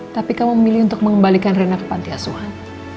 tapi kamu memilih untuk mengembalikan reina ke panti asuhan